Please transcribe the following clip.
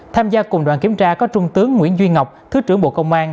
tham gia cùng đoàn kiểm tra có trung tướng nguyễn duy ngọc thứ trưởng bộ công an